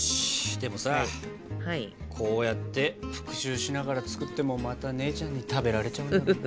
でもさこうやって復習しながら作ってもまた姉ちゃんに食べられちゃうんだろうなあ。